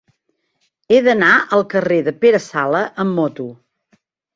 He d'anar al carrer de Pere Sala amb moto.